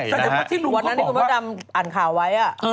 วันนั้นที่คุณพระดำอ่านข่าวไว้